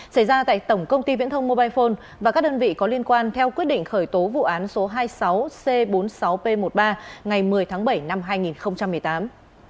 xảy ra tại tổng công ty viễn thông mobile phone và các đơn vị có liên quan theo quyết định khởi tố vụ án số hai mươi sáu c bốn mươi sáu p một mươi ba ngày một mươi tháng bảy năm hai nghìn một mươi tám